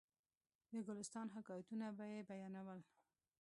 د ګلستان حکایتونه به یې بیانول.